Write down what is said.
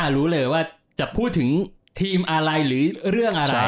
รู้เลยว่าจะพูดถึงทีมอะไรหรือเรื่องอะไร